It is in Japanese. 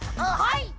はい！